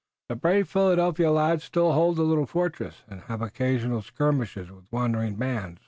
The brave Philadelphia lads still hold the little fortress, and have occasional skirmishes with wandering bands.